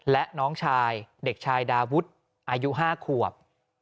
และน้องชายเด็กชายดาวุฒิอายุ๕ขวบ